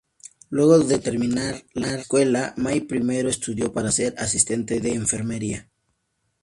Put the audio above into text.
Luego de terminar la escuela, May primero estudió para ser asistente de enfermería.